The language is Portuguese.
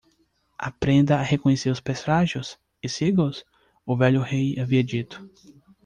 "Aprenda a reconhecer os presságios? e siga-os?", o velho rei havia dito.